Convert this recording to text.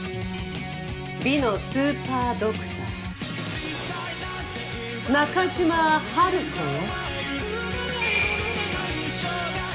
美のスーパードクター中島ハルコよ。